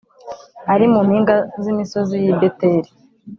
Ari mu mpinga z’ imisozi y’ i Beteri